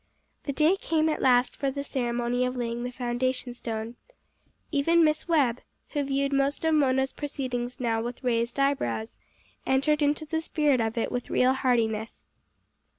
The day came at last for the ceremony of laying the foundation stone. Even Miss Webb, who viewed most of Mona's proceedings now with raised eyebrows, entered into the spirit of it with real heartiness.